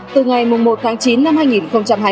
từ ngày một tháng chín năm hai nghìn hai mươi bốn